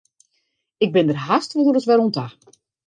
Ik bin der hast wolris wer oan ta.